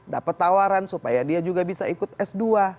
dapat tawaran supaya dia juga bisa ikut s dua